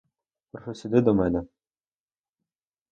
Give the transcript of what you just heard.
Прошу сюди, до мене.